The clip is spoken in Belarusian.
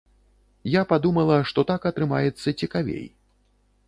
Я падумала, што так атрымаецца цікавей.